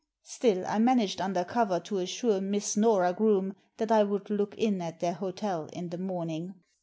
Still, I managed under cover to assure Miss Nora Groome that I would look in at their hotel in the morning.